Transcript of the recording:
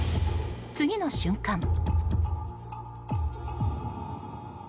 次の瞬間。